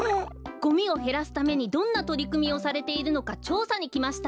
ゴミをへらすためにどんなとりくみをされているのかちょうさにきました。